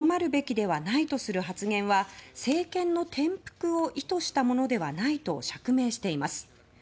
プーチン氏が権力の座にとどまるべきではないとする発言は政権の転覆を意図したものではないと釈明しています。